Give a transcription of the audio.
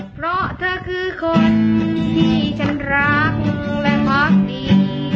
เพราะเธอคือคนที่ฉันรักและหวังดี